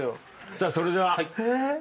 さあそれでは。